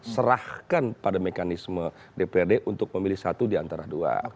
serahkan pada mekanisme dprd untuk memilih satu di antara dua